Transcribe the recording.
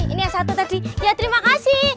ini yang satu tadi ya terima kasih